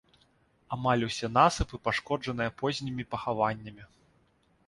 Амаль усе насыпы пашкоджаныя познімі пахаваннямі.